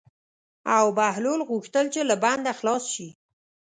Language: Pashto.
او بهلول غوښتل چې له بنده خلاص شي.